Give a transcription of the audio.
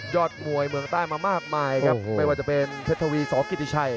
อดมวยเมืองใต้มามากมายครับไม่ว่าจะเป็นเพชรทวีสกิติชัย